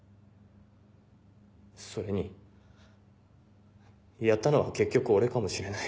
それにやったのは結局俺かもしれない。